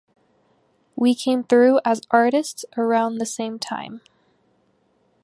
We came through as artists around the same time.